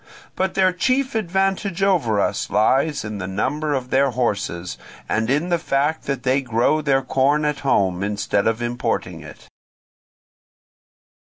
But their chief advantage over us lies in the number of their horses, and in the fact that they grow their corn at home instead of importing it.